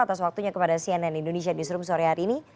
atas waktunya kepada cnn indonesia newsroom sore hari ini